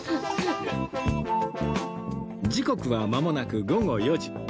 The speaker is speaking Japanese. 時刻はまもなく午後４時